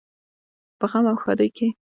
په غم او ښادۍ کې.